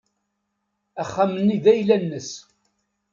Axxam-nni d ayla-nnes.